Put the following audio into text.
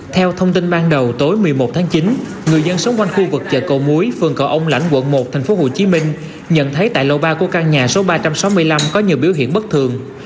theo thông tin ban đầu tối một mươi một tháng chín người dân sống quanh khu vực chợ cầu muối phường cầu ông lãnh quận một tp hcm nhận thấy tại lô ba của căn nhà số ba trăm sáu mươi năm có nhiều biểu hiện bất thường